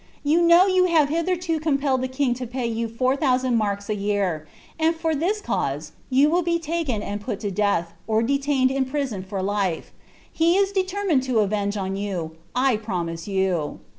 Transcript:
Tou know you have hitherto compelled (he king to pay yoB four iliousand marks a year, and for this cause you will be taken and put to death, or detained in prison for life. He is deierniineil lo bt avenged on yon, I promise you."